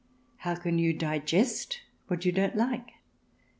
How can you digest what you don't like